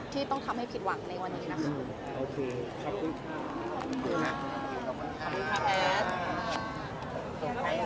ที่ต้องทำให้ผิดหวังในวันนี้นะคะ